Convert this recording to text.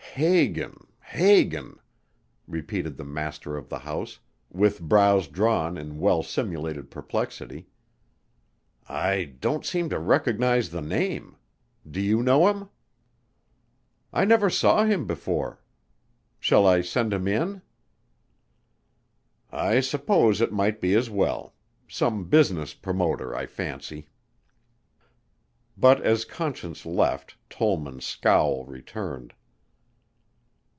"Hagan, Hagan?" repeated the master of the house with brows drawn in well simulated perplexity. "I don't seem to recognize the name. Do you know him?" "I never saw him before. Shall I send him in?" "I suppose it might be as well. Some business promoter, I fancy." But as Conscience left, Tollman's scowl returned.